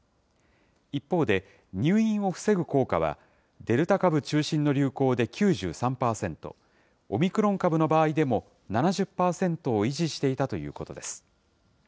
一方で、入院を防ぐ効果はデルタ株中心の流行で９３％、オミクロン株の場合でも７０％を維持していたということです。